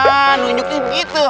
aduh induk itu gitu